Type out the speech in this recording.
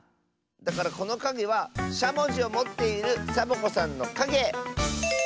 だからこのかげはしゃもじをもっているサボ子さんのかげ！